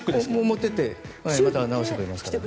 持っていくとまた、直してくれますから。